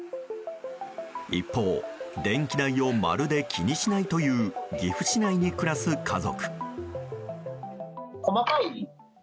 一方、電気代をまるで気にしないという岐阜市内に暮らす家族。